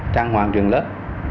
trang hoàng trường lớp